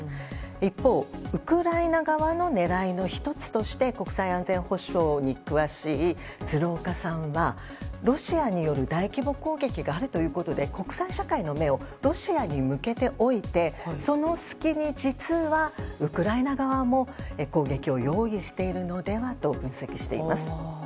一方、ウクライナ側の狙いの１つとして国際安全保障に詳しい鶴岡さんはロシアによる大規模攻撃があるということで国際社会の目をロシアに向けておいてその隙に実はウクライナ側も攻撃を用意しているのではと分析しています。